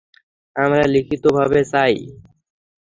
আমরা লিখিত ভাবে চাই।